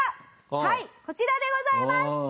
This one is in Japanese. はいこちらでございます！